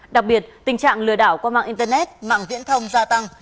đặc biệt tình trạng lừa đảo qua mạng internet mạng viễn thông gia tăng